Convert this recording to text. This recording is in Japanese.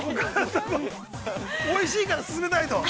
◆おいしいから、勧めたいと。